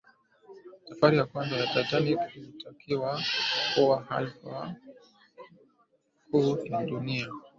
safari ya kwanza ya titanic ilitakiwa kuwa hafla kuu ya dunia